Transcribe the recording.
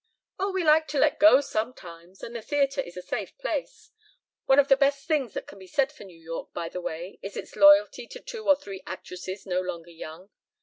"Oh, we like to let go sometimes and the theatre is a safe place. One of the best things that can be said for New York, by the way, is its loyalty to two or three actresses no longer young.